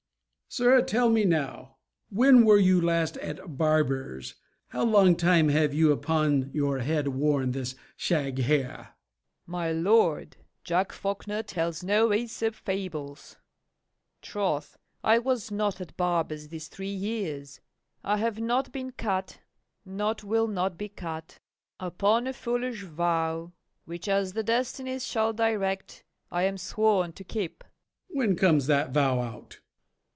Sirrah, tell me now, When were you last at barbers? how long time Have you upon your head worn this shag hair? FAULKNER. My lord, Jack Faulkner tells no Aesops fables: troth, I was not at barbers this three years; I have not been cut not will not be cut, upon a foolish vow, which, as the Destinies shall direct, I am sworn to keep. MORE. When comes that vow out?